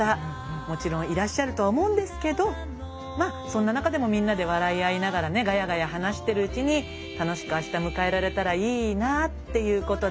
もちろんいらっしゃるとは思うんですけどそんな中でもみんなで笑い合いながらねガヤガヤ話してるうちに楽しくあした迎えられたらいいなっていうことで。